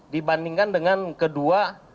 dibandingkan dengan kedua